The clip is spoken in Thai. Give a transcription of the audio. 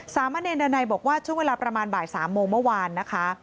สามะเนรดานัยบอกว่าช่วงเวลาประมาณบ่าย๓โมงเมื่อวานนะคะ